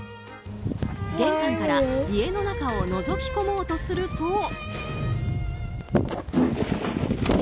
玄関から家の中をのぞきこもうとすると。